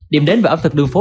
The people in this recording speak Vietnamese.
điểm đến về ẩm thực đường phố